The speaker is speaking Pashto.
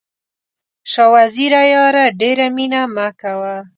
شاه وزیره یاره ډېره مینه مه کوه.